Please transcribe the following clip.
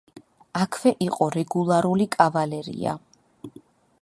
აქვე იყო რეგულარული კავალერია.